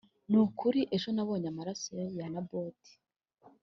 ni ukuri ejo nabonye amaraso ya naboti